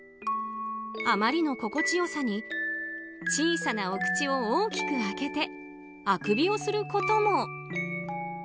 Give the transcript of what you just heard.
あまりの心地よさに小さなお口を大きく開けてあくびをすることも。